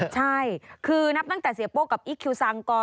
ใช่คือนับตั้งแต่เสียเป้ากับอิคเฮียล์ซาลงกอร์